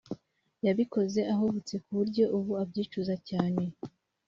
yabikoze ahubutse ku buryo ubu abyicuza cyane